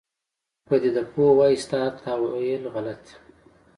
پدیده پوه وایي ستا تاویل غلط دی.